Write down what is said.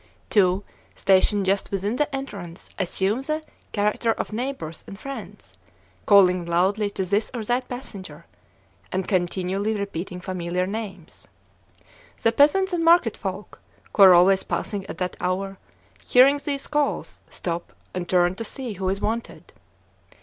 Two, stationed just within the entrance, assume the character of neighbors and friends, calling loudly to this or that passenger, and continually repeating familiar names. The peasants and market folk, who are always passing at that hour, hearing these calls, stop, and turn to see who is wanted.